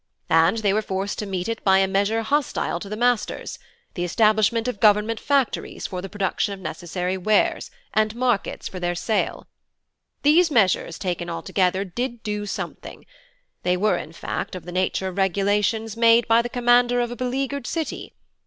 And they were forced to meet it by a measure hostile to the masters, the establishment of government factories for the production of necessary wares, and markets for their sale. These measures taken altogether did do something: they were in fact of the nature of regulations made by the commander of a beleaguered city.